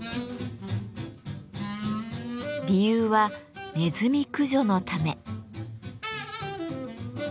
理由はネズミ駆除のため。